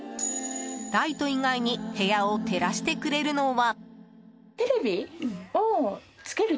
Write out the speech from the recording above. ライト以外に部屋を照らしてくれるのは。